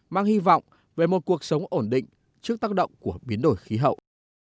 mang hy vọng về một cuộc sống ổn định trước tác động của biến đổi khí hậu